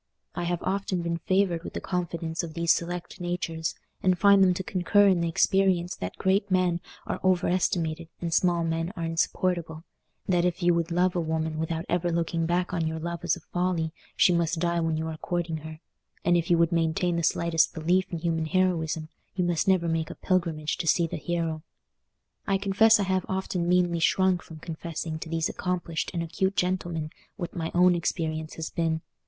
I have often been favoured with the confidence of these select natures, and find them to concur in the experience that great men are overestimated and small men are insupportable; that if you would love a woman without ever looking back on your love as a folly, she must die while you are courting her; and if you would maintain the slightest belief in human heroism, you must never make a pilgrimage to see the hero. I confess I have often meanly shrunk from confessing to these accomplished and acute gentlemen what my own experience has been.